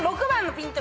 ピント？